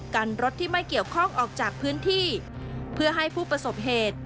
กันรถที่ไม่เกี่ยวข้องออกจากพื้นที่เพื่อให้ผู้ประสบเหตุ